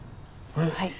はい。